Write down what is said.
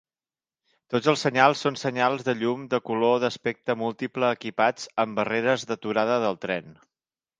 Tots els senyals són senyals de llum de color d'aspecte múltiple equipats amb barreres d'aturada del tren.